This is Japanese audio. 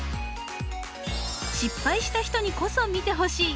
失敗した人にこそ見てほしい。